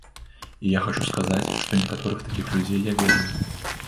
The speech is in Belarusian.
І я хачу сказаць, што некаторых такіх людзей я ведаю.